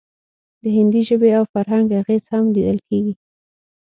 د هندي ژبې او فرهنګ اغیز هم لیدل کیږي